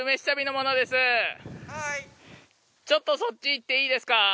ちょっとそっち行っていいですか。